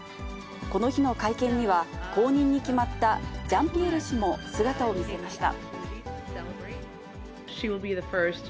この日の会見には、後任に決まったジャンピエール氏も姿を見せました。